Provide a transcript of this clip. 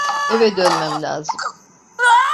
Eve dönmem lazım.